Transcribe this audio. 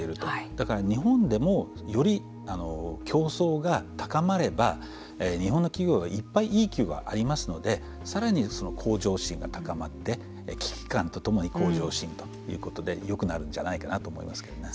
だから日本でもより競争が高まれば日本の企業はいっぱいいい企業がありますのでさらにその向上心が高まって危機感とともに向上心ということでよくなるんじゃないかなと思いますけどね。